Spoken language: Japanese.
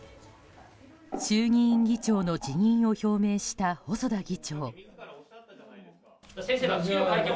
衆議院議長の辞任を表明した細田議長。